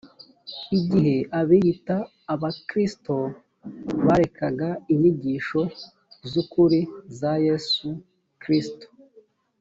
igihe abiyita abakristo barekaga inyigisho z’ ukuri za yesu kristo.